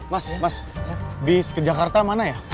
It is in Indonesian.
mas mas bis ke jakarta mana ya